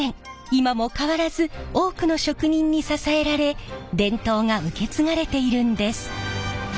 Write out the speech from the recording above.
今も変わらず多くの職人に支えられ伝統が受け継がれているんです。